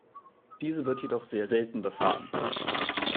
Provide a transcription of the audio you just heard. Diese wird jedoch sehr selten befahren.